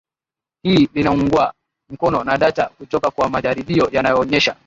hili linaungwa mkono na data kutoka kwa majaribio yanayoonyesha